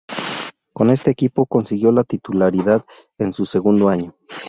Con este equipo consiguió la titularidad en su segundo año.